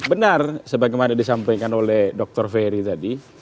benar sebagaimana disampaikan oleh dr ferry tadi